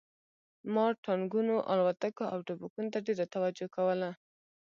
ما ټانکونو الوتکو او ټوپکونو ته ډېره توجه کوله